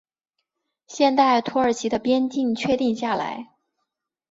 现代土耳其的边境确定下来。